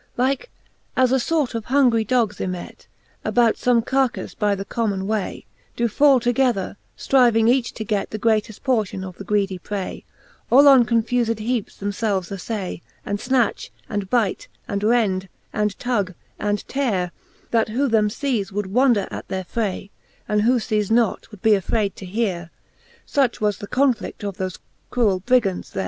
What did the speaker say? Like as a fort of hungry dogs ymet About fome carcafe by the common way, Doe fall together, ftryving each to get The greateft portion of the greedie pray ; All on confufed heapes themfelves affay. And fnatch, and byte, and rend, and tug, and teare ; That who them (cqs, would wonder at their fray j And who fees not, would be affrayd to heare. Such was the conflid of thofe cruell Brigants there.